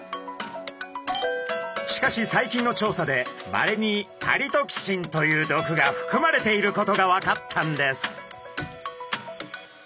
しかし最近の調査でまれにパリトキシンという毒がふくまれていることが分かったんです。